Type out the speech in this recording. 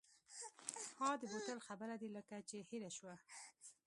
ها د بوتل خبره دې لکه چې هېره شوه.